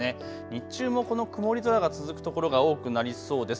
日中もこの曇り空が続く所が多くなりそうです。